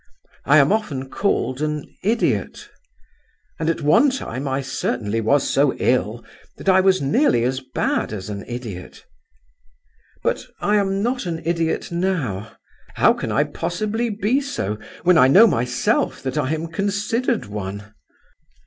I am often called an idiot, and at one time I certainly was so ill that I was nearly as bad as an idiot; but I am not an idiot now. How can I possibly be so when I know myself that I am considered one?